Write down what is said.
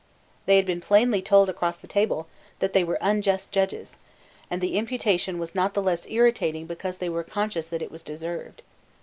They had been plainly told across the table that they were unjust judges; and the imputation was not the less irritating because they were conscious that it was deserved.